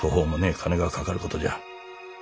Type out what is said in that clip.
金がかかることじゃ。